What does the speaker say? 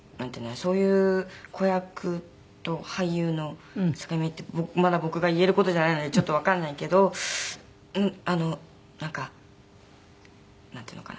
そういう子役と俳優の境目ってまだ僕が言える事じゃないのでちょっとわからないけどなんかなんていうのかな。